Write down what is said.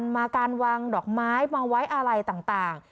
มาการวางดอกไม้วางไว้อะไรต่าง